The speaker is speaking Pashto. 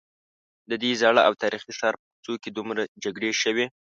ددې زاړه او تاریخي ښار په کوڅو کې دومره جګړې شوي.